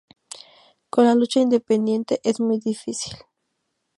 Con la lucha independiente, es muy difícil".